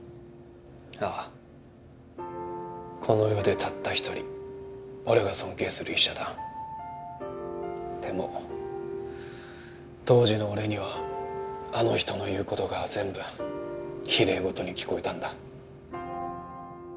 ああこの世でたった一人俺が尊敬する医者だでも当時の俺にはあの人の言うことが全部きれい事に聞こえたんだ